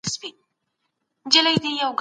سبا به موږ دا بريا په پوره سعادت سره نمانځو.